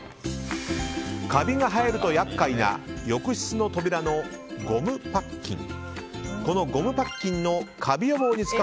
カビが生えると厄介な浴室の扉のゴムパッキン。